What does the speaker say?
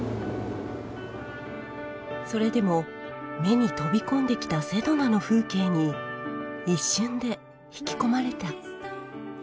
それでも目に飛び込んできたセドナの風景に一瞬で引き込まれた。